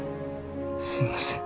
すみません。